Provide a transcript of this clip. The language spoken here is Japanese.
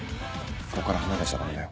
ここから離れちゃダメだよ。